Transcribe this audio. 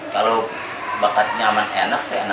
kalau bakat nyaman enak enak di sana